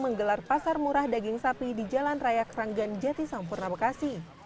menggelar pasar murah daging sapi di jalan raya keranggan jati sampurna bekasi